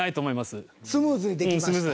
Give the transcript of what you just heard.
スムーズにできました？